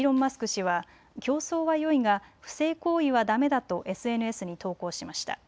氏は競争はよいが不正行為はだめだとＳＮＳに投稿しました。